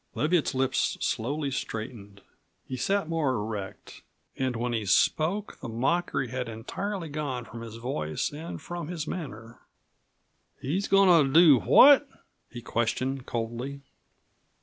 Leviatt's lips slowly straightened. He sat more erect, and when he spoke the mockery had entirely gone from his voice and from his manner. "He's goin' to do what?" he questioned coldly.